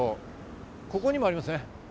ここにもありますね。